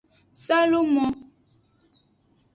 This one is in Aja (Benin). Salumo.